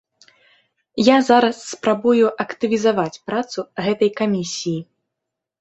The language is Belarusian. Я зараз спрабую актывізаваць працу гэтай камісіі.